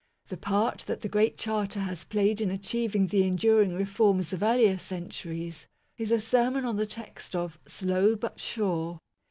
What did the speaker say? The part that the Great Charter has played in achieving the endur ing reforms of earlier centuries, is a sermon on the text of " slow but sure